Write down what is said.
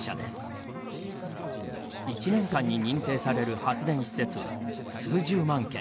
１年間に認定される発電施設は数十万件。